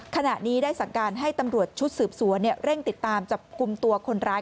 ขณะนี้ได้สั่งการให้ตำรวจชุดสืบสวนเร่งติดตามจับกลุ่มตัวคนร้าย